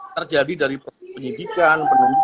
terjadi dari penyidikan penuntut